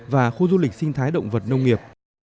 và khu du lịch sinh thái động vật nông nghiệp